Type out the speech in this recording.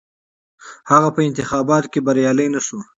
هغه په انتخاباتو کې بریالی نه شو.